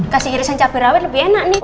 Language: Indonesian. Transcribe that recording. kasih irisan cabai rawit lebih enak nih